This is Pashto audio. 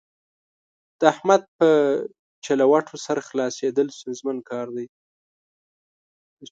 د احمد په چلوټو سر خلاصېدل ستونزمن کار دی.